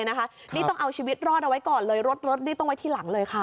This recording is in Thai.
นี่ต้องเอาชีวิตรอดเอาไว้ก่อนเลยรถนี่ต้องไว้ที่หลังเลยค่ะ